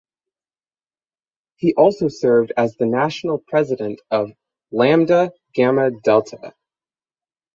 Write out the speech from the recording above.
He also served as the national president of Lambda Gamma Delta.